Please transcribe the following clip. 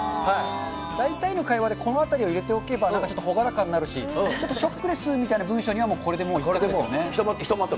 大体の会話でこのあたりを入れておけば、なんかちょっとほがらかになるし、ちょっとショックですみたいな文章には、もうこれで、ひとまとめ？